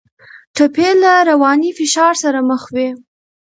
ټپي له رواني فشار سره مخ وي.